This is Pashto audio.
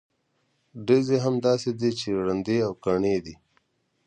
ډزې هم داسې دي چې ړندې او کڼې دي.